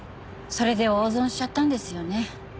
それで大損しちゃったんですよね？